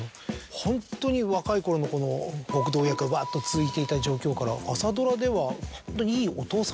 ホントに若いころの極道役がわっと続いていた状況から朝ドラではホントにいいお父さん役と。